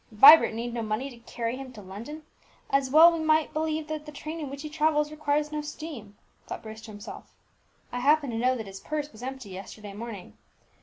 "Vibert need no money to carry him to London! As well might we believe that the train in which he travels requires no steam," thought Bruce to himself. "I happen to know that his purse was empty yesterday morning.